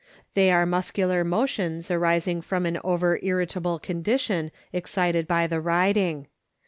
They are muscular motions arising from an over irritable condition excited by the riding.